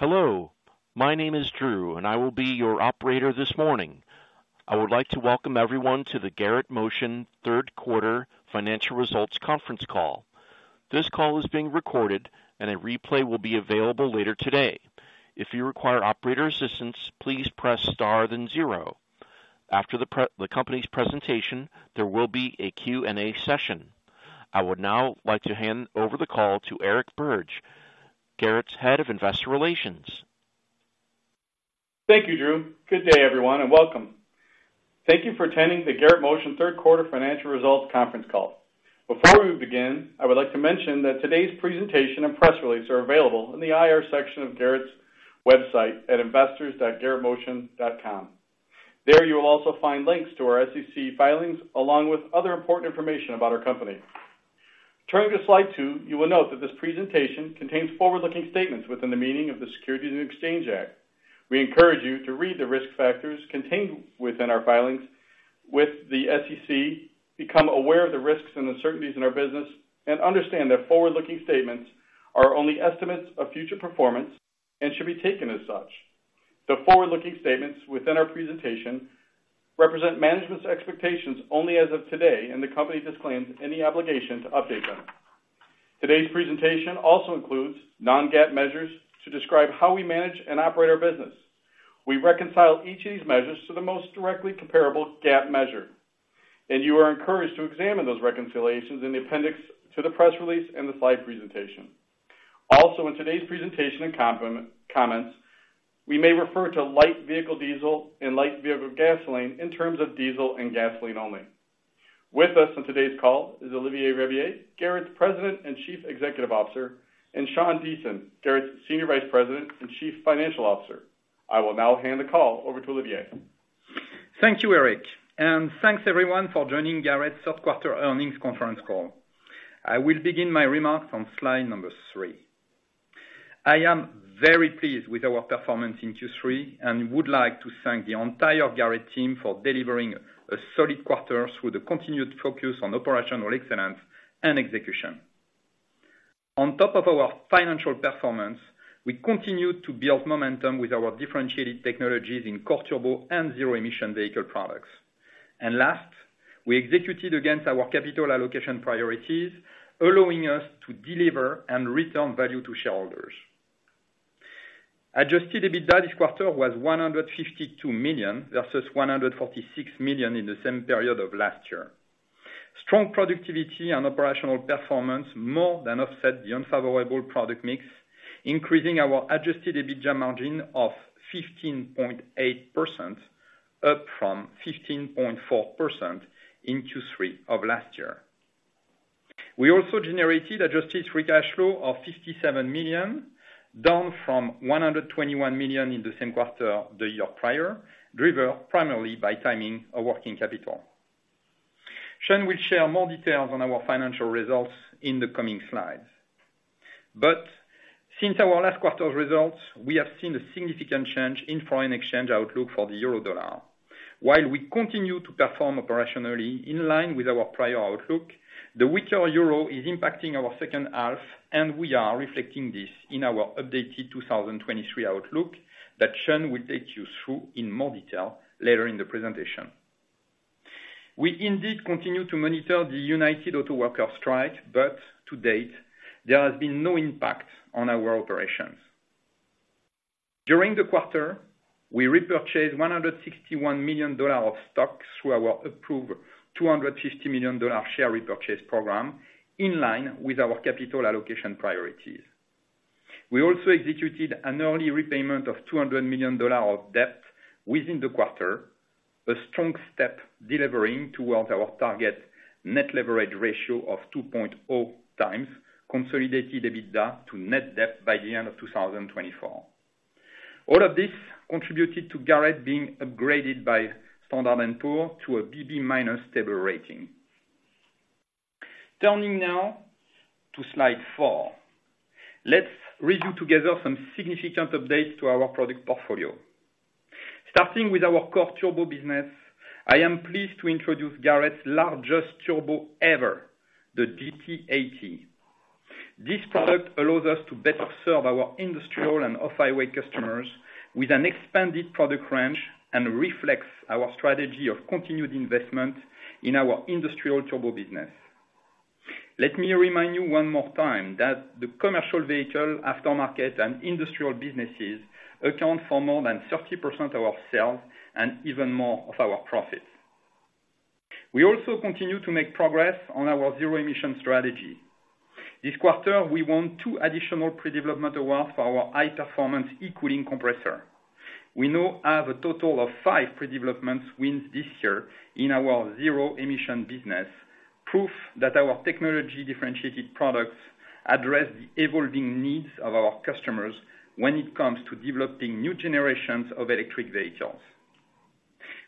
Hello, my name is Drew, and I will be your operator this morning. I would like to welcome everyone to the Garrett Motion Third Quarter Financial Results conference call. This call is being recorded, and a replay will be available later today. If you require operator assistance, please press star then zero. After the company's presentation, there will be a Q&A session. I would now like to hand over the call to Eric Birge, Garrett's Head of Investor Relations. Thank you, Drew. Good day, everyone, and welcome. Thank you for attending the Garrett Motion third quarter financial results conference call. Before we begin, I would like to mention that today's presentation and press release are available in the IR section of Garrett's website at investors.garrettmotion.com. There, you will also find links to our SEC filings, along with other important information about our company. Turning to slide two, you will note that this presentation contains forward-looking statements within the meaning of the Securities and Exchange Act. We encourage you to read the risk factors contained within our filings with the SEC, become aware of the risks and uncertainties in our business, and understand that forward-looking statements are only estimates of future performance and should be taken as such. The forward-looking statements within our presentation represent management's expectations only as of today, and the company disclaims any obligation to update them. Today's presentation also includes non-GAAP measures to describe how we manage and operate our business. We reconcile each of these measures to the most directly comparable GAAP measure, and you are encouraged to examine those reconciliations in the appendix to the press release and the slide presentation. Also, in today's presentation and comments, we may refer to light vehicle diesel and light vehicle gasoline in terms of diesel and gasoline only. With us on today's call is Olivier Rabiller, Garrett's President and Chief Executive Officer, and Sean Deason, Garrett's Senior Vice President and Chief Financial Officer. I will now hand the call over to Olivier. Thank you, Eric, and thanks, everyone, for joining Garrett's third quarter earnings conference call. I will begin my remarks on slide number three. I am very pleased with our performance in Q3 and would like to thank the entire Garrett team for delivering a solid quarter through the continued focus on operational excellence and execution. On top of our financial performance, we continued to build momentum with our differentiated technologies in core turbo and zero-emission vehicle products. And last, we executed against our capital allocation priorities, allowing us to deliver and return value to shareholders. Adjusted EBITDA this quarter was $152 million, versus $146 million in the same period of last year. Strong productivity and operational performance more than offset the unfavorable product mix, increasing our Adjusted EBITDA margin of 15.8%, up from 15.4% in Q3 of last year. We also generated Adjusted Free Cash Flow of $57 million, down from $121 million in the same quarter the year prior, driven primarily by timing of working capital. Sean will share more details on our financial results in the coming slides. But since our last quarter's results, we have seen a significant change in foreign exchange outlook for the euro dollar. While we continue to perform operationally in line with our prior outlook, the weaker euro is impacting our second half, and we are reflecting this in our updated 2023 outlook that Sean will take you through in more detail later in the presentation. We indeed continue to monitor the United Auto Workers strike, but to date, there has been no impact on our operations. During the quarter, we repurchased $161 million of stock through our approved $250 million share repurchase program, in line with our capital allocation priorities. We also executed an early repayment of $200 million of debt within the quarter, a strong step delivering towards our target net leverage ratio of 2.0x consolidated EBITDA to net debt by the end of 2024. All of this contributed to Garrett being upgraded by Standard & Poor's to a BB- stable rating. Turning now to slide four. Let's review together some significant updates to our product portfolio. Starting with our core turbo business, I am pleased to introduce Garrett's largest turbo ever, the GT80. This product allows us to better serve our industrial and off-highway customers with an expanded product range and reflects our strategy of continued investment in our industrial turbo business. Let me remind you one more time that the commercial vehicle, aftermarket, and industrial businesses account for more than 30% of our sales and even more of our profits. We also continue to make progress on our zero-emission strategy. This quarter, we won two additional pre-development awards for our high-performance E-Cooling Compressor. We now have a total of five pre-development wins this year in our zero-emission business, proof that our technology-differentiated products address the evolving needs of our customers when it comes to developing new generations of electric vehicles.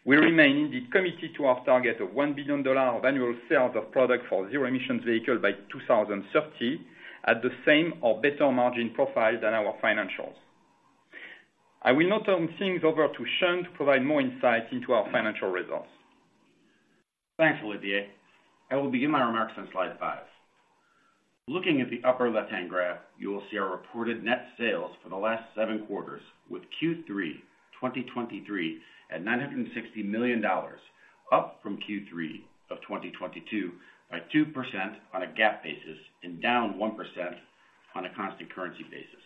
We remain indeed committed to our target of $1 billion of annual sales of product for zero-emission vehicle by 2030, at the same or better margin profile than our financials. I will now turn things over to Sean to provide more insights into our financial results. Thanks, Olivier. I will begin my remarks on slide five. Looking at the upper left-hand graph, you will see our reported net sales for the last seven quarters, with Q3 2023 at $960 million, up from Q3 of 2022 by 2% on a GAAP basis and down 1% on a constant currency basis.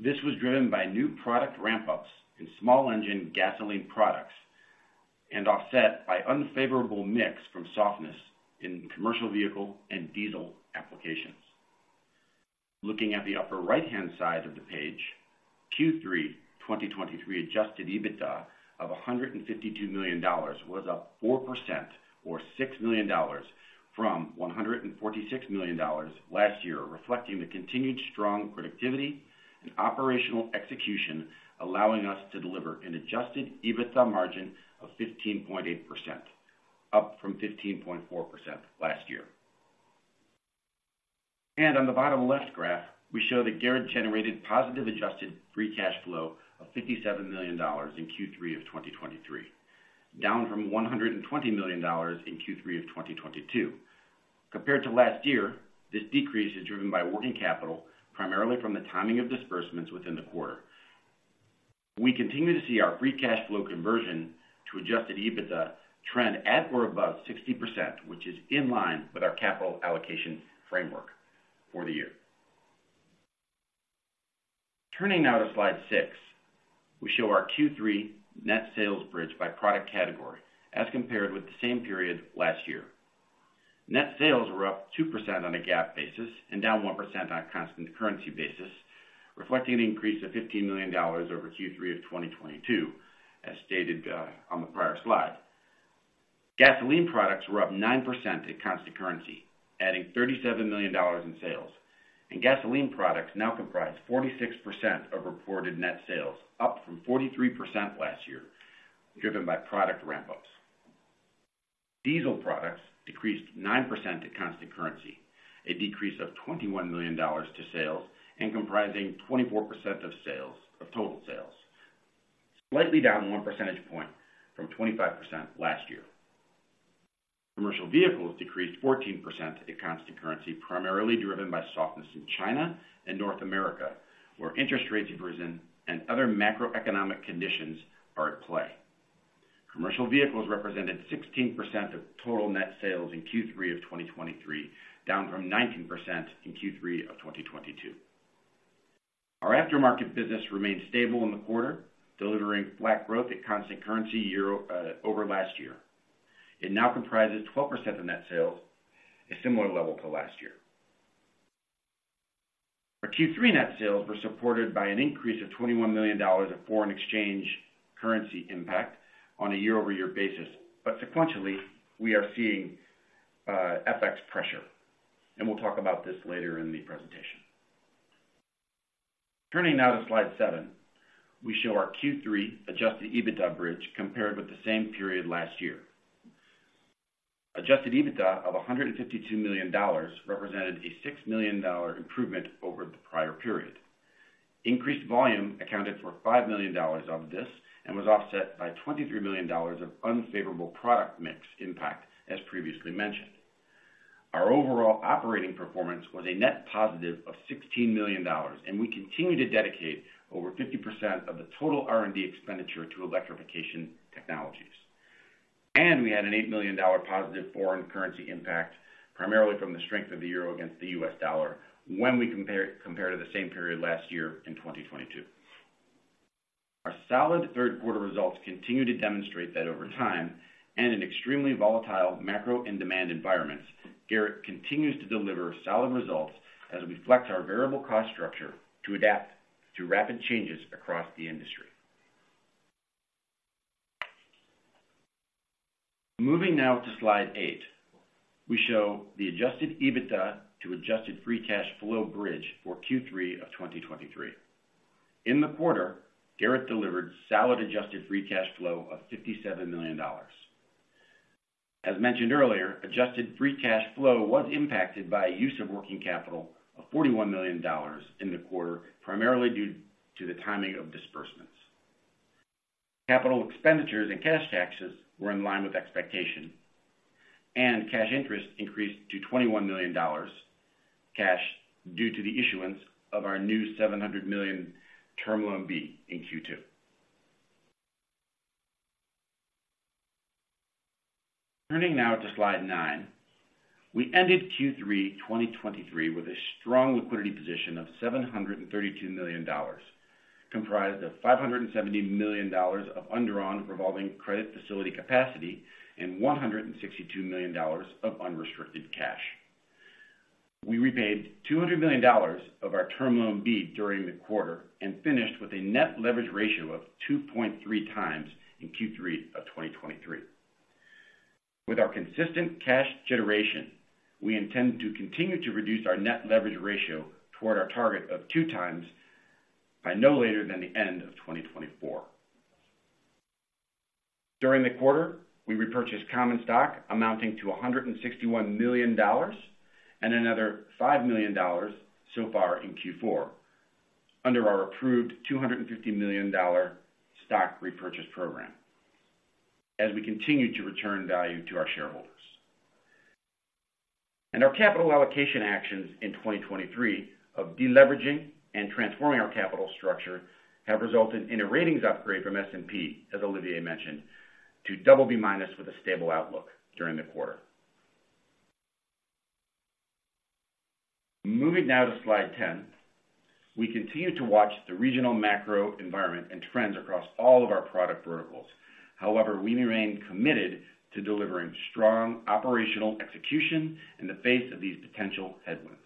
This was driven by new product ramp-ups in small engine gasoline products and offset by unfavorable mix from softness in commercial vehicle and diesel applications. Looking at the upper right-hand side of the page, Q3 2023 Adjusted EBITDA of $152 million was up 4% or $6 million from $146 million last year, reflecting the continued strong productivity and operational execution, allowing us to deliver an Adjusted EBITDA margin of 15.8%, up from 15.4% last year. On the bottom left graph, we show that Garrett generated positive Adjusted Free Cash Flow of $57 million in Q3 of 2023, down from $120 million in Q3 of 2022. Compared to last year, this decrease is driven by working capital, primarily from the timing of disbursements within the quarter. We continue to see our free cash flow conversion to Adjusted EBITDA trend at or above 60%, which is in line with our capital allocation framework for the year. Turning now to slide six, we show our Q3 net sales bridge by product category as compared with the same period last year. Net sales were up 2% on a GAAP basis and down 1% on a constant currency basis, reflecting an increase of $15 million over Q3 of 2022, as stated on the prior slide. Gasoline products were up 9% at constant currency, adding $37 million in sales, and gasoline products now comprise 46% of reported net sales, up from 43% last year, driven by product ramp-ups. Diesel products decreased 9% on constant currency, a decrease of $21 million to sales and comprising 24% of sales, of total sales, slightly down 1 percentage point from 25% last year. Commercial vehicles decreased 14% at constant currency, primarily driven by softness in China and North America, where interest rates have risen and other macroeconomic conditions are at play. Commercial vehicles represented 16% of total net sales in Q3 of 2023, down from 19% in Q3 of 2022. Our aftermarket business remained stable in the quarter, delivering flat growth at constant currency year over last year. It now comprises 12% of net sales, a similar level to last year. Our Q3 net sales were supported by an increase of $21 million of foreign exchange currency impact on a year-over-year basis. But sequentially, we are seeing FX pressure, and we'll talk about this later in the presentation. Turning now to slide seven, we show our Q3 adjusted EBITDA bridge compared with the same period last year. Adjusted EBITDA of $152 million represented a $6 million improvement over the prior period. Increased volume accounted for $5 million of this and was offset by $23 million of unfavorable product mix impact, as previously mentioned. Our overall operating performance was a net positive of $16 million, and we continue to dedicate over 50% of the total R&D expenditure to electrification technologies. And we had an $8 million positive foreign currency impact, primarily from the strength of the euro against the US dollar when we compare to the same period last year in 2022. Our solid third quarter results continue to demonstrate that over time, and in extremely volatile macro and demand environments, Garrett continues to deliver solid results as it reflects our variable cost structure to adapt to rapid changes across the industry. Moving now to slide eight, we show the Adjusted EBITDA to Adjusted Free Cash Flow bridge for Q3 of 2023. In the quarter, Garrett delivered solid Adjusted Free Cash Flow of $57 million. As mentioned earlier, Adjusted Free Cash Flow was impacted by a use of working capital of $41 million in the quarter, primarily due to the timing of disbursements. Capital expenditures and cash taxes were in line with expectation, and cash interest increased to $21 million, cash due to the issuance of our new $700 million Term Loan B in Q2. Turning now to slide nine, we ended Q3 2023 with a strong liquidity position of $732 million, comprised of $570 million of undrawn revolving credit facility capacity and $162 million of unrestricted cash. We repaid $200 million of our Term Loan B during the quarter and finished with a net leverage ratio of 2.3 times in Q3 of 2023. With our consistent cash generation, we intend to continue to reduce our net leverage ratio toward our target of 2 times by no later than the end of 2024. During the quarter, we repurchased common stock amounting to $161 million and another $5 million so far in Q4 under our approved $250 million stock repurchase program, as we continue to return value to our shareholders. Our capital allocation actions in 2023 of deleveraging and transforming our capital structure have resulted in a ratings upgrade from S&P, as Olivier mentioned, to BB- with a stable outlook during the quarter. Moving now to slide 10. We continue to watch the regional macro environment and trends across all of our product verticals. However, we remain committed to delivering strong operational execution in the face of these potential headwinds.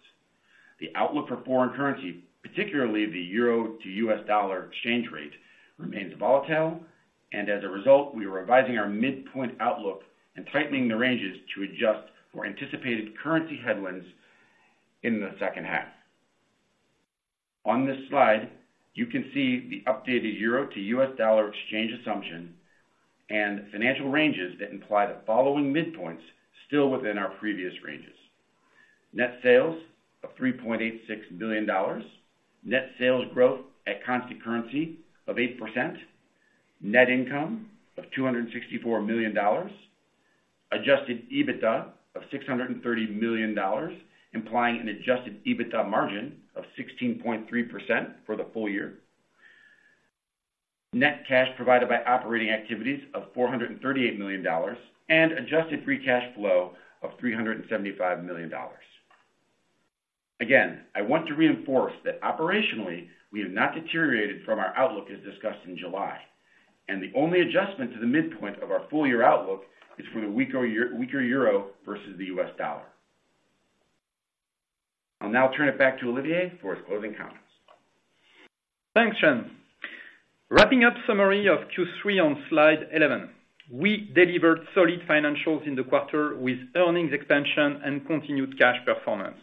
The outlook for foreign currency, particularly the euro to US dollar exchange rate, remains volatile, and as a result, we are revising our midpoint outlook and tightening the ranges to adjust for anticipated currency headwinds in the second half. On this slide, you can see the updated euro to US dollar exchange assumption and financial ranges that imply the following midpoints still within our previous ranges. Net sales of $3.86 billion. Net sales growth at constant currency of 8%. Net income of $264 million. Adjusted EBITDA of $630 million, implying an adjusted EBITDA margin of 16.3% for the full year. Net cash provided by operating activities of $438 million, and adjusted free cash flow of $375 million. Again, I want to reinforce that operationally, we have not deteriorated from our outlook as discussed in July, and the only adjustment to the midpoint of our full-year outlook is from a weaker euro versus the US dollar. I'll now turn it back to Olivier for his closing comments. Thanks, Sean. Wrapping up summary of Q3 on slide 11. We delivered solid financials in the quarter with earnings expansion and continued cash performance.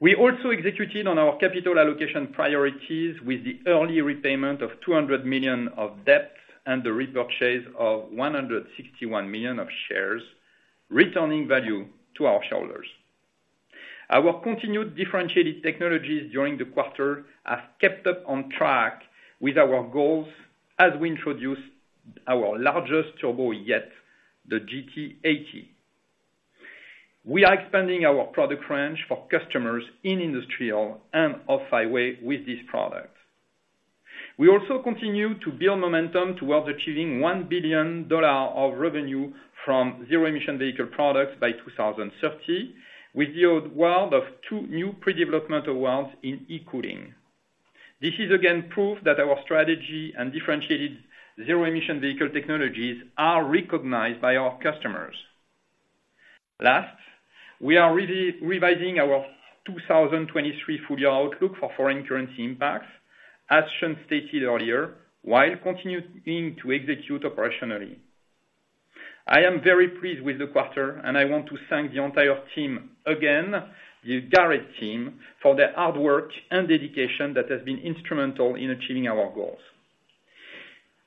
We also executed on our capital allocation priorities with the early repayment of $200 million of debt and the repurchase of $161 million of shares, returning value to our shareholders. Our continued differentiated technologies during the quarter have kept up on track with our goals as we introduce our largest turbo yet, the GT80. We are expanding our product range for customers in industrial and off-highway with this product. We also continue to build momentum towards achieving $1 billion of revenue from zero-emission vehicle products by 2030, with the award of two new pre-development awards in E-Cooling. This is again, proof that our strategy and differentiated zero-emission vehicle technologies are recognized by our customers. Last, we are really revising our 2023 full year outlook for foreign currency impacts, as Sean stated earlier, while continuing to execute operationally. I am very pleased with the quarter, and I want to thank the entire team again, the Garrett team, for their hard work and dedication that has been instrumental in achieving our goals.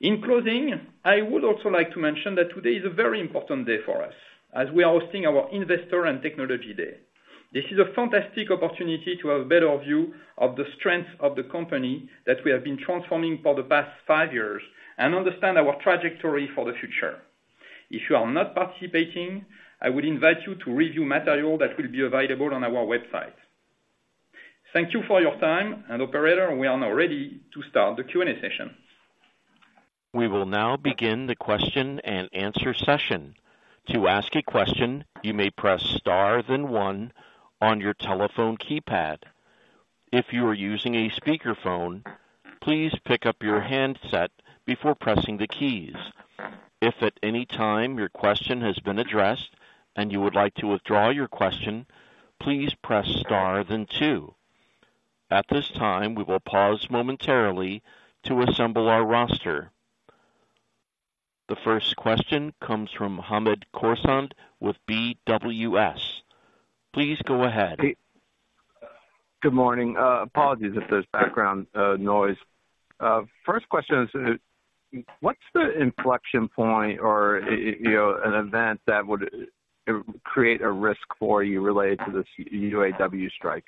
In closing, I would also like to mention that today is a very important day for us, as we are hosting our Investor and Technology Day. This is a fantastic opportunity to have a better view of the strength of the company that we have been transforming for the past five years and understand our trajectory for the future. If you are not participating, I would invite you to review material that will be available on our website. Thank you for your time, and operator, we are now ready to start the Q&A session. We will now begin the question and answer session. To ask a question, you may press star, then one on your telephone keypad. If you are using a speakerphone, please pick up your handset before pressing the keys. If at any time your question has been addressed and you would like to withdraw your question, please press star, then two. At this time, we will pause momentarily to assemble our roster. The first question comes from Hamed Khorsand, with BWS. Please go ahead. Good morning. Apologies if there's background noise. First question is, what's the inflection point or, you know, an event that would create a risk for you related to this UAW strike?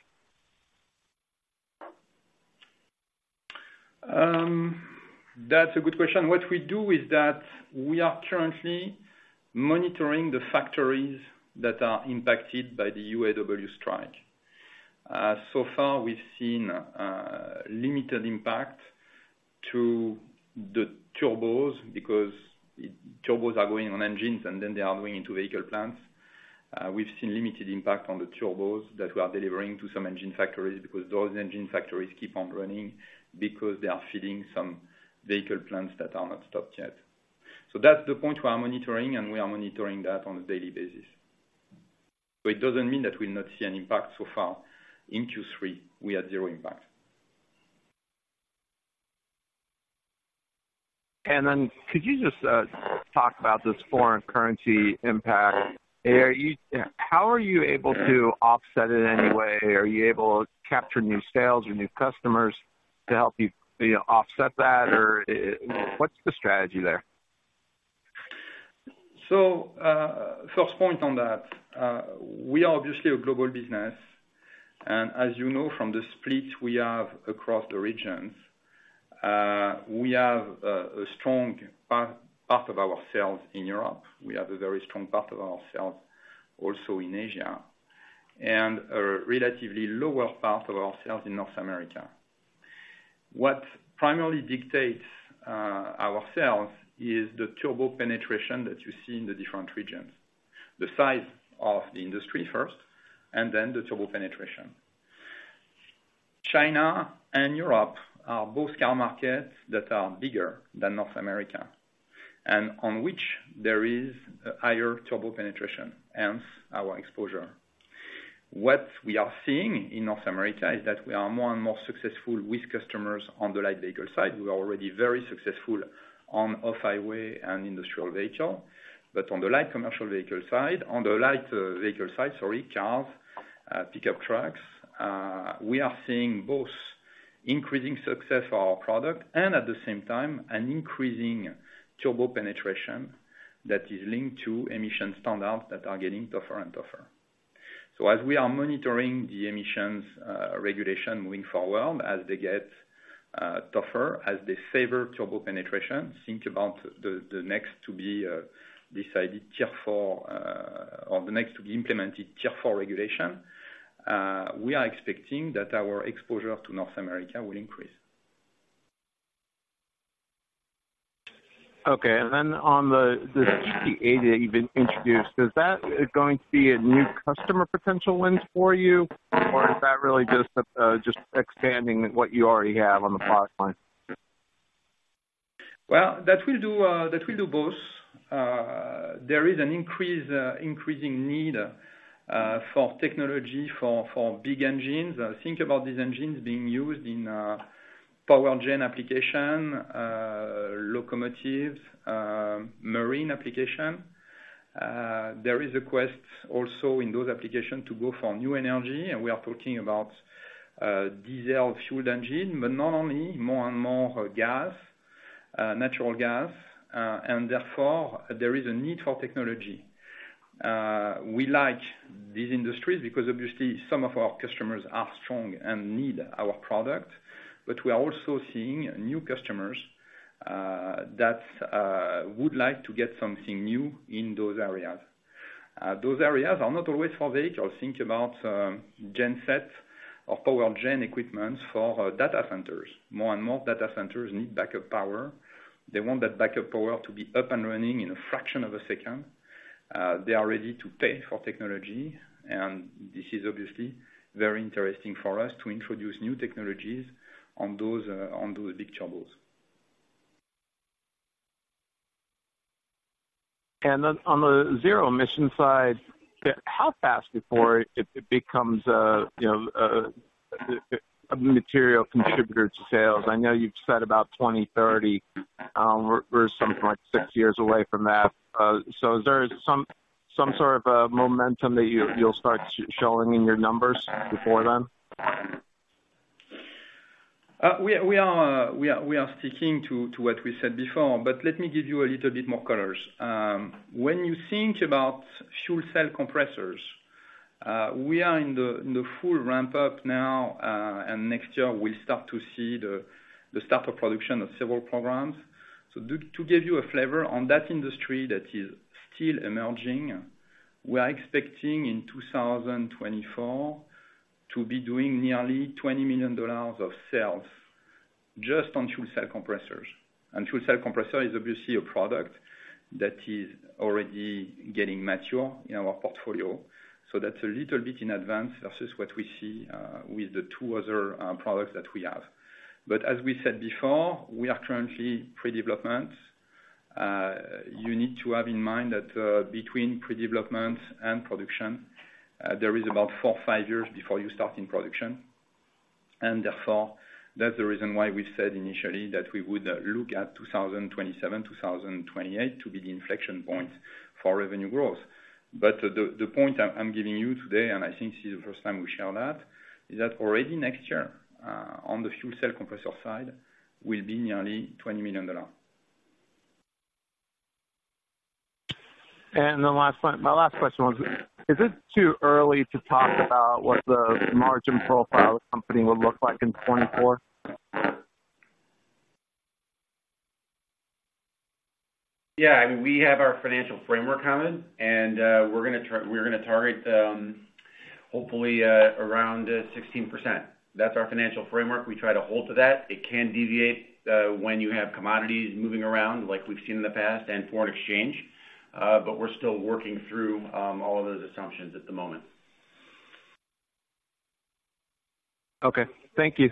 That's a good question. What we do is that we are currently monitoring the factories that are impacted by the UAW strike. So far, we've seen limited impact to the turbos because turbos are going on engines, and then they are going into vehicle plants. We've seen limited impact on the turbos that we are delivering to some engine factories, because those engine factories keep on running because they are feeding some vehicle plants that are not stopped yet. So that's the point we are monitoring, and we are monitoring that on a daily basis. But it doesn't mean that we'll not see an impact so far. In Q3, we are zero impact. Then could you just talk about this foreign currency impact? How are you able to offset it in any way? Are you able to capture new sales or new customers to help you, you know, offset that? Or what's the strategy there? So, first point on that, we are obviously a global business, and as you know from the splits we have across the regions, we have a strong part of our sales in Europe. We have a very strong part of our sales also in Asia, and a relatively lower part of our sales in North America. What primarily dictates our sales is the turbo penetration that you see in the different regions. The size of the industry first, and then the turbo penetration. China and Europe are both car markets that are bigger than North America, and on which there is a higher turbo penetration, hence our exposure. What we are seeing in North America is that we are more and more successful with customers on the light vehicle side. We are already very successful on off-highway and industrial vehicle, but on the light commercial vehicle side, on the light, vehicle side, sorry, cars, pickup trucks, we are seeing both increasing success for our product and at the same time, an increasing turbo penetration that is linked to emission standards that are getting tougher and tougher. So as we are monitoring the emissions regulation moving forward, as they get tougher, as they favor turbo penetration, think about the next to be decided Tier 4, or the next to be implemented Tier 4 regulation, we are expecting that our exposure to North America will increase. Okay, and then on the GT80 that you've introduced, is that going to be a new customer potential win for you? Or is that really just expanding what you already have on the pipeline? Well, that will do both. There is an increasing need for technology for big engines. Think about these engines being used in power gen application, locomotives, marine application. There is a quest also in those applications to go for new energy, and we are talking about diesel fueled engine, but not only more and more gas, natural gas. And therefore, there is a need for technology. We like these industries because obviously some of our customers are strong and need our product, but we are also seeing new customers that would like to get something new in those areas. Those areas are not always for vehicle. Think about gen sets or power gen equipment for data centers. More and more data centers need backup power. They want that backup power to be up and running in a fraction of a second. They are ready to pay for technology, and this is obviously very interesting for us to introduce new technologies on those, on those big turbos. Then on the zero-emission side, how fast before it becomes, you know, a material contributor to sales? I know you've said about 2030, we're something like six years away from that. So is there some sort of a momentum that you'll start showing in your numbers before then? We are sticking to what we said before, but let me give you a little bit more colors. When you think about Fuel Cell Compressors, we are in the full ramp up now, and next year we start to see the start of production of several programs. So to give you a flavor on that industry that is still emerging, we are expecting in 2024 to be doing nearly $20 million of sales just on Fuel Cell Compressors. And Fuel Cell Compressor is obviously a product that is already getting mature in our portfolio. So that's a little bit in advance versus what we see with the two other products that we have. But as we said before, we are currently pre-development. You need to have in mind that between pre-development and production there is about four-five years before you start in production. And therefore, that's the reason why we said initially that we would look at 2027, 2028 to be the inflection point for revenue growth. But the point I'm giving you today, and I think this is the first time we share that, is that already next year on the Fuel Cell Compressor side will be nearly $20 million. The last one, my last question was, is it too early to talk about what the margin profile of the company would look like in 2024? Yeah, I mean, we have our financial framework, Colin, and we're gonna target hopefully around 16%. That's our financial framework. We try to hold to that. It can deviate when you have commodities moving around, like we've seen in the past, and foreign exchange, but we're still working through all of those assumptions at the moment. Okay. Thank you.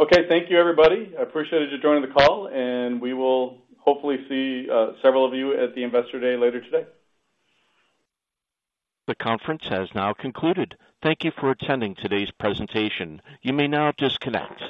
Okay, thank you, everybody. I appreciate you joining the call, and we will hopefully see several of you at the Investor Day later today. The conference has now concluded. Thank you for attending today's presentation. You may now disconnect.